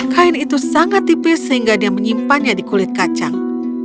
kain itu sangat tipis sehingga dia menyimpannya di kulit kacang